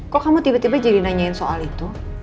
kok kamu tiba tiba jadi nanyain soal itu